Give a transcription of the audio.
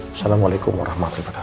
assalamualaikum warahmatullahi wabarakatuh